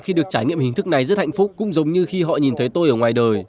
và họ đã được trải nghiệm hình thức này rất hạnh phúc cũng giống như khi họ nhìn thấy tôi ở ngoài đời